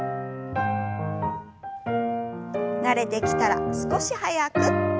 慣れてきたら少し早く。